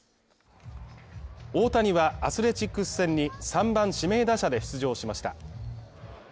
大谷はアスレチックス戦に３番・指名打者で出場しました。